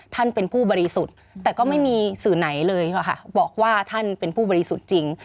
ท่านเป็นผู้บริสุทธิ์แต่ก็ไม่มีสื่อไหนเลยบอกว่าท่านเป็นผู้บริสุทธิ์จริง